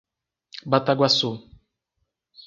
Bataguaçu